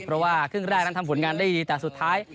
เพราะว่าครึ่งแรกนั้นทำผลงานได้ดีแต่สุดท้าย